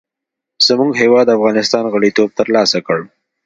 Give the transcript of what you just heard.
زموږ هېواد افغانستان غړیتوب تر لاسه کړ.